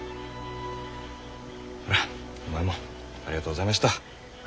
ほらお前もありがとうございましたは？